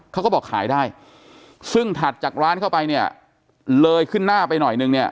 เขาก็บอกขายได้ซึ่งถัดจากร้านเข้าไปเนี่ยเลยขึ้นหน้าไปหน่อยนึงเนี่ย